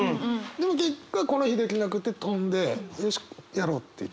でも結果この日できなくて飛んでよしやろうっていう気持ち。